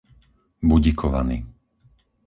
Budikovany